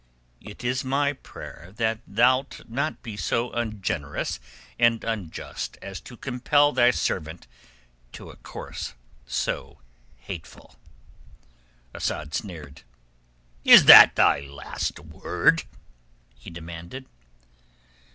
"It is my prayer that thou'lt not be so ungenerous and unjust as to compel thy servant to a course so hateful." Asad sneered. "Is that thy last word?" he demanded.